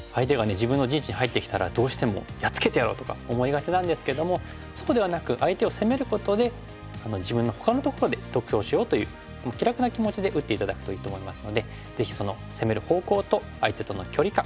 自分の陣地に入ってきたらどうしてもやっつけてやろうとか思いがちなんですけどもそうではなく相手を攻めることで自分のほかのところで得をしようという気楽な気持ちで打って頂くといいと思いますのでぜひその攻める方向と相手との距離感